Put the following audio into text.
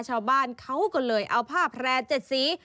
ชาวบ้านเขาก็เลยเอาผ้าแพร่๗สี